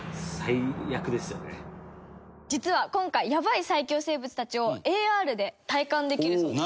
実は今回ヤバい最恐生物たちをＡＲで体感できるそうです。